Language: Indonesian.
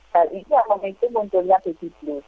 hal ini yang mungkin itu munculnya di ibu